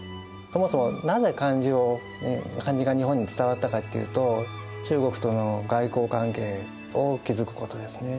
そもそもなぜ漢字が日本に伝わったかっていうと中国との外交関係を築くことですね。